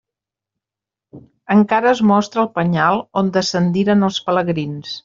Encara es mostra el penyal on descendiren els pelegrins.